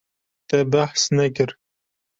Te behs nekir.